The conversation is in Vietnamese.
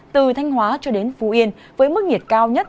từ thanh hóa cho đến phú yên với mức nhiệt cao nhất